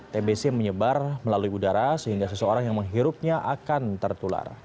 tbc menyebar melalui udara sehingga seseorang yang menghirupnya akan tertular